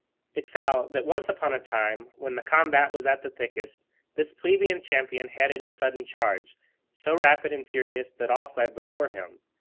It fell, that once upon a time, when the combat was at the thickest, this plebeian champion headed a sudden charge, so rapid and furious that all fled before him.